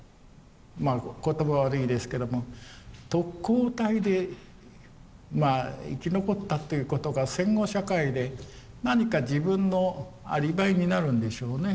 まあ言葉は悪いですけども特攻隊でまあ生き残ったっていうことが戦後社会で何か自分のアリバイになるんでしょうね。